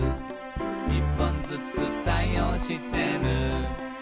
「１本ずつ対応してる」